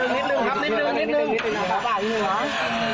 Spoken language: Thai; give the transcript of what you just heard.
นิดหนึ่งนิดหนึ่งครับนิดหนึ่งนิดหนึ่งนิดหนึ่ง